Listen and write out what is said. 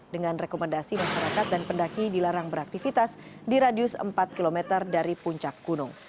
dengan rekomendasi masyarakat dan pendaki dilarang beraktivitas di radius empat km dari puncak gunung